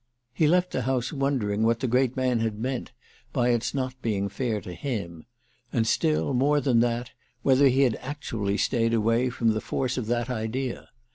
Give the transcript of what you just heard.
He left the house wondering what the great man had meant by its not being fair to him; and, still more than that, whether he had actually stayed away from the force of that idea.